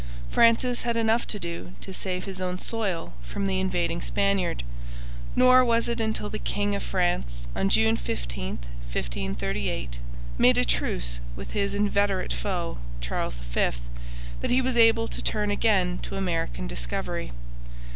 Francis had enough to do to save his own soil from the invading Spaniard. Nor was it until the king of France on June 15, 1538, made a truce with his inveterate foe, Charles V, that he was able to turn again to American discovery.